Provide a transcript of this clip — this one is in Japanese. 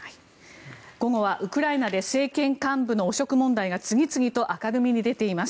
午後はウクライナで政権幹部の汚職問題が次々と明るみに出ています。